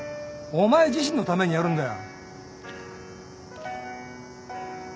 お前自身のためにやるんだよ。